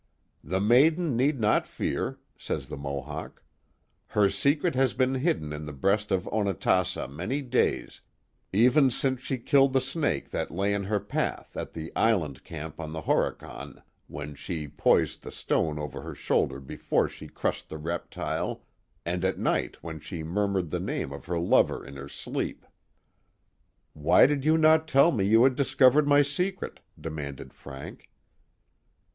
The maiden need not fear," says the Mohawk; her secret has been hidden in the breast of Onatassa many days, even since she killed the snake that lay in her path at the island camp on the Horicon, when she poised the stone over her shoulder before she crushed the reptile, and at night when she murmured the name of her lover in her sleep.'* Why did you not tell me you had discovered my secret ?" demanded Frank.